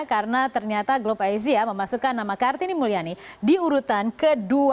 karena ternyata globasia memasukkan nama kartini mulyadi di urutan ke dua puluh sembilan